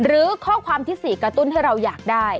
หรือข้อความที่๔กระตุ้นให้เราอยากได้